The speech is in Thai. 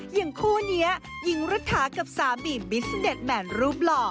อย่างคู่นี้หญิงรัฐากับสามีบิสเน็ตแหวนรูปหล่อ